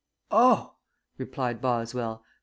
"Oh," replied Boswell.